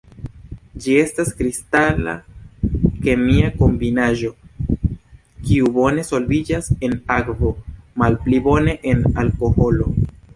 Ĝi estas kristala kemia kombinaĵo, kiu bone solviĝas en akvo, malpli bone en alkoholo.